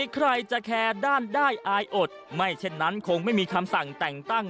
ใครจะแคร์ด้านได้อายอดไม่เช่นนั้นคงไม่มีคำสั่งแต่งตั้ง